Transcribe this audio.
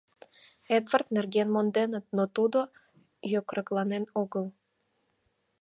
Эдвард нерген монденыт, но тудо йокрокланен огыл.